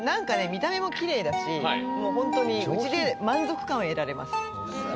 見た目もきれいだしもうホントに家で満足感を得られます